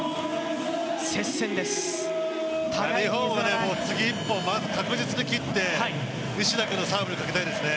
日本も次１本、まず確実に切って西田君のサーブにかけたいですね。